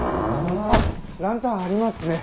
あっランタンありますね。